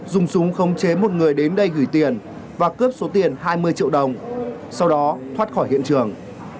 dùng súng khống chế một người đến đây gửi tiền và cướp số tiền hai mươi triệu đồng sau đó thoát khỏi hiện trường